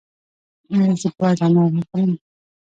ایا زه باید انار وخورم؟